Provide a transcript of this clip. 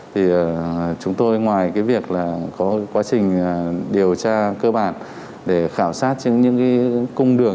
thì chúng tôi ngoài việc có quá trình điều tra cơ bản để khảo sát những cung đường